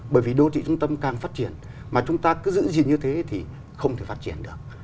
bởi vì đô thị trung tâm càng phát triển mà chúng ta cứ giữ gì như thế thì không thể phát triển được